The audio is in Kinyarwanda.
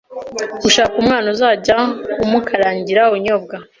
ushaka umwana uzajya amukarangira ubunyobwa.